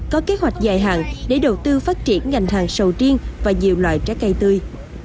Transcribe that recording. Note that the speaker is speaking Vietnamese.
có kế hoạch dài hạn để đầu tư phát triển ngành hàng sầu riêng và nhiều loại trái cây tươi